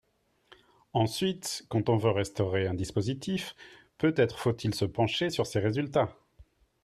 Ensuite, quand on veut restaurer un dispositif, peut-être faut-il se pencher sur ses résultats.